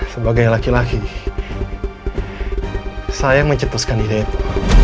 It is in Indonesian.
sebagai laki laki saya yang mencetuskan ide itu